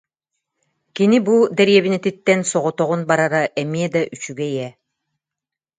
Кини бу дэриэбинэтиттэн соҕотоҕун барара эмиэ да үчүгэй ээ